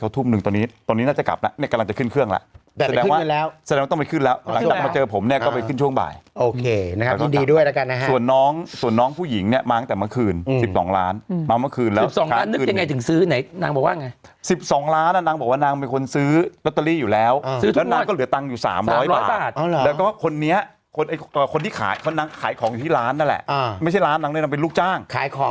คนที่ขายนางขายของอยู่ที่ร้านนั่นแหละไม่ใช่ร้านนางเป็นลูกจ้าง